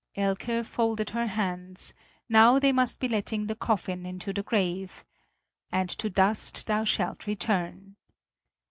Elke folded her hands; now they must be letting the coffin into the grave: "And to dust thou shalt return!"